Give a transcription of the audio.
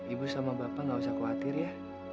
ibu sama bapak gak usah khawatir ya